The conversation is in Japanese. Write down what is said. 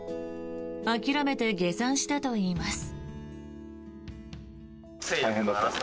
諦めて下山したといいます。